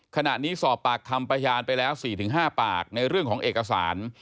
ขณะนี้สอบปากคำพยานไปแล้ว๔๕ปากในเรื่องของเอกสาร